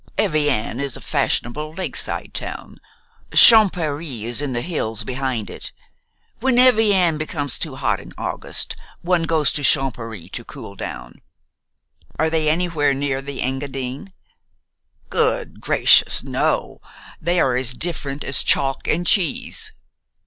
"Evian is a fashionable lakeside town. Champèry is in the hills behind it. When Evian becomes too hot in August, one goes to Champèry to cool down." "Are they anywhere near the Engadine?" "Good gracious, no! They are as different as chalk and cheese."